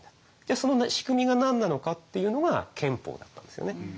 その仕組みが何なのかっていうのが憲法だったんですよね。